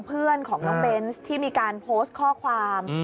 เพื่อนของน้องเบนส์ที่มีการโพสต์ข้อความ